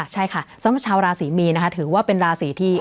ใช่ค่ะซ้ำชาวราศีมีนถือว่าเป็นราศีที่